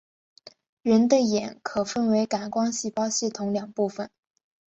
人的眼可分为感光细胞系统两部分。